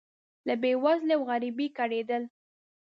له بې وزلۍ او غریبۍ کړېدل.